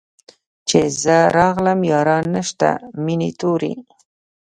چي زه راغلم ياران نسته مېني توري